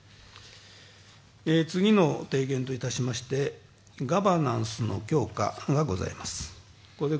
次の提言といたしましてガバナンスの強化がございます。